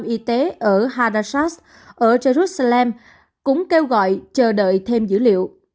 y tế ở hadassah jerusalem cũng kêu gọi chờ đợi thêm dữ liệu